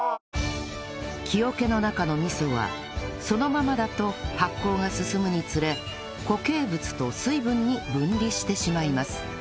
木桶の中の味噌はそのままだと発酵が進むにつれ固形物と水分に分離してしまいます